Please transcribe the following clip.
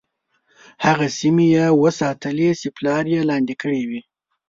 هغه سیمي یې وساتلې چې پلار یې لاندي کړې وې.